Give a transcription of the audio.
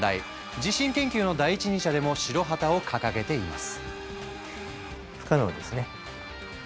地震研究の第一人者でも白旗を掲げています。